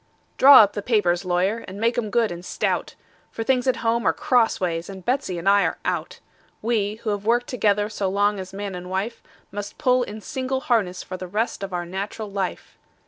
Draw up the papers, lawyer, and make 'em good and stout; For things at home are crossways, and Betsey and I are out. We, who have worked together so long as man and wife, Must pull in single harness for the rest of our nat'ral life.